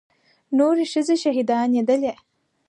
نورې ښځې شهيدانېدلې.